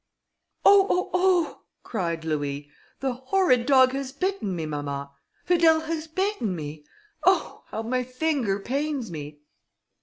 "Oh! oh! oh!" cried Louis, "the horrid dog has bitten me; mamma! Fidèle has bitten me; oh! how my finger pains me!"